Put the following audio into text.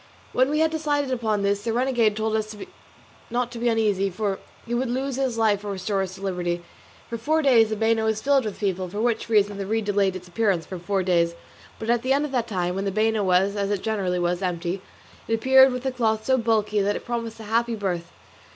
When we had decided upon this the renegade told us not to be uneasy, for he would lose his life or restore us to liberty. For four days the bano was filled with people, for which reason the reed delayed its appearance for four days, but at the end of that time, when the bano was, as it generally was, empty, it appeared with the cloth so bulky that it promised a happy birth.